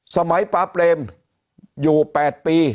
สมัยปาเปรมอยู่๘ปี